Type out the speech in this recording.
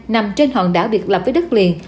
nằm trên hòn đảo biệt lập với đất liền